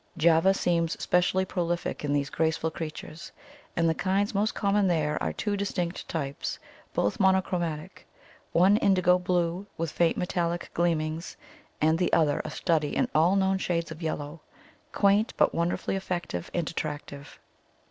Java seems specially prolific in these graceful creatures, and the kinds most common there are two distinct types, both monochromatic — one indigo blue with faint metallic gleamings, and the other a study in all known shades of yellow — quaint, but wonderfully effective and attractive.